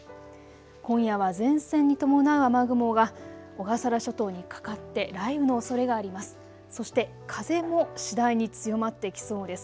今夜は前線に伴う雨雲が小笠原諸島にかかって雷雨のおそれがあります。